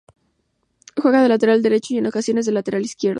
Juega de lateral derecho y en ocasiones de lateral izquierdo.